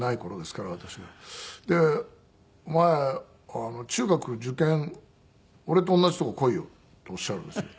で「お前中学受験俺と同じとこ来いよ」っておっしゃるんですよ。